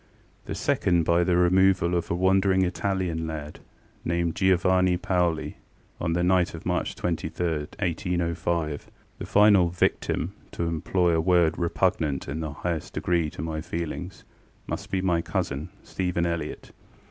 The second, by the removal of a wandering Italian lad, named Giovanni Paoli, on the night of March 23, 1805. The final ŌĆśvictimŌĆÖŌĆöto employ a word repugnant in the highest degree to my feelingsŌĆömust be my cousin, Stephen Elliott.